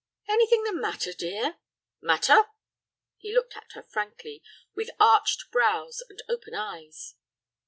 "Anything the matter, dear?" "Matter?" He looked at her frankly, with arched brows and open eyes.